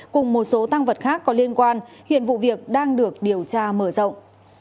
cùng một số tăng vật khác có liên quan hiện vụ việc đang được điều tra mở rộng